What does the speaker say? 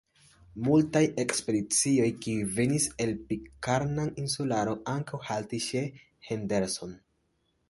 Multaj ekspedicioj, kiuj venis al Pitkarna Insularo, ankaŭ haltis ĉe Henderson.